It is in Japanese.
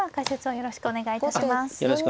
よろしくお願いします。